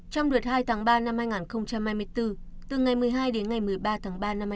trong đợt hai tháng ba năm hai nghìn hai mươi bốn từ ngày một mươi hai đến ngày một mươi ba tháng ba năm hai nghìn hai mươi bốn